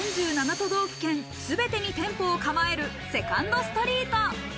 都道府県すべてに店舗を構えるセカンドストリート。